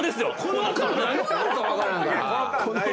この間何があるか分からんから。